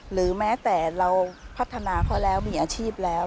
หรือแม้แต่เราพัฒนาเขาแล้วมีอาชีพแล้ว